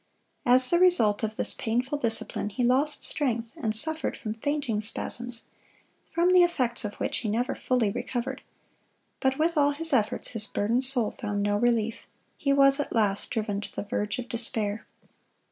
(161) As the result of this painful discipline, he lost strength, and suffered from fainting spasms, from the effects of which he never fully recovered. But with all his efforts, his burdened soul found no relief. He was at last driven to the verge of despair.